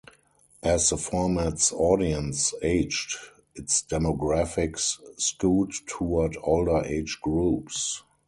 As the format's audience aged, its demographics skewed toward older age groups.